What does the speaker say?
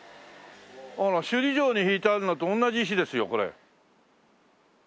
あら首里城に敷いてあるのと同じ石ですよこれ。